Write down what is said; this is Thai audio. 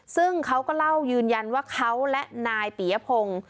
ซึ่งเค้าก็ยืนยันว่าเค้าและนายปียพงศ์